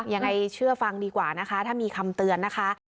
ยังไงเชื่อฟังดีกว่านะคะถ้ามีคำเตือนนะคะ